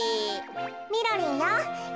みろりんよ。